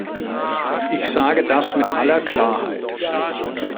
Ich sage das mit aller Klarheit.